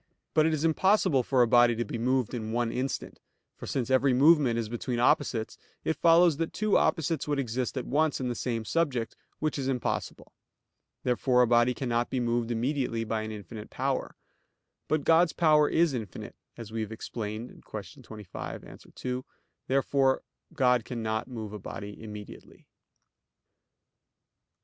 But it is impossible for a body to be moved in one instant; for since every movement is between opposites, it follows that two opposites would exist at once in the same subject, which is impossible. Therefore a body cannot be moved immediately by an infinite power. But God's power is infinite, as we have explained (Q. 25, A. 2). Therefore God cannot move a body immediately.